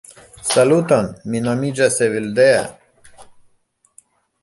Saluton, mi nomiĝas Evildea